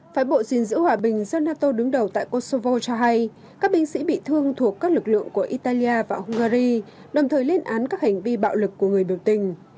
phái bộ gìn giữ hòa bình do nato đứng đầu tại kosovo cho hay các binh sĩ bị thương thuộc các lực lượng của italia và hungary đồng thời lên án các hành vi bạo lực của người biểu tình